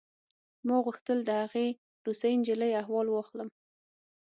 ما غوښتل د هغې روسۍ نجلۍ احوال واخلم